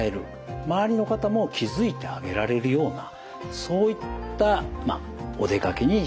周りの方も気付いてあげられるようなそういったまあお出かけにしていただきたいと思います。